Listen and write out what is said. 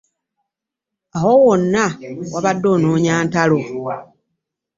Awo wonna yabadde anoonya ntalo.